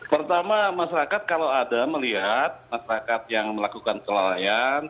pertama masyarakat kalau ada melihat masyarakat yang melakukan kelalaian